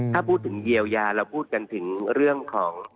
ถ้าพูดถึงเยียวยาเราพูดกันถึงเรื่องของ